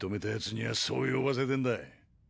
にゃあそう呼ばせてんだ